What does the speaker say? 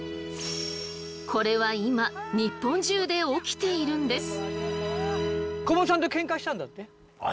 これは今日本中で起きているんです。